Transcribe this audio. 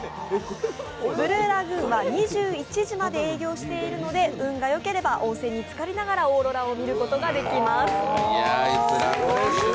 ブルーラグーンは２１時まで営業しているので、運がよければ温泉につかりながら、オーロラを見ることができます。